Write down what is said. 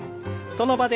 その場で。